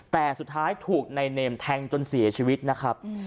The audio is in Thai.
แต่สุดท้ายถูกนายเนมแทงจนเสียชีวิตนะครับ